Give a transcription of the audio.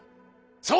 そう！